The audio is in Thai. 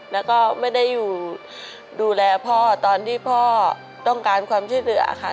แล้วก็ไม่ได้อยู่ดูแลพ่อตอนที่พ่อต้องการความช่วยเหลือค่ะ